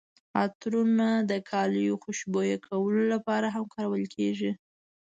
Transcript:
عطرونه د کالیو خوشبویه کولو لپاره هم کارول کیږي.